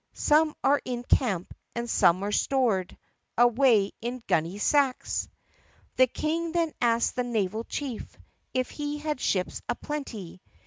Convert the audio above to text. Some are in camp and some are stored Away in gunny sacks." The King then asked the naval chief If he had ships a plenty.